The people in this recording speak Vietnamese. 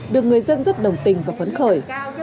được người dân rất đồng tình và phấn khởi